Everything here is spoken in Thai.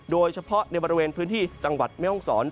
โดยเฉพาะในบริเวณพื้นที่จังหวัดแม่ห้องศร